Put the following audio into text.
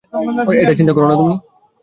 এটার চিন্তা করো না তুমি?